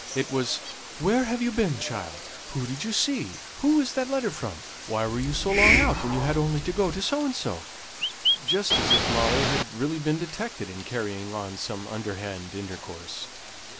It was, "Where have you been, child?" "Who did you see?" "Who was that letter from?" "Why were you so long out when you had only to go to so and so?" just as if Molly had really been detected in carrying on some underhand intercourse.